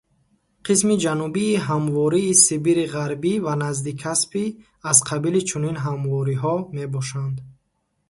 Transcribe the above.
Қисми ҷанубии ҳамвории Сибири Ғарбӣ ва Наздикаспий аз қабили чунин ҳамвориҳо мебошанд.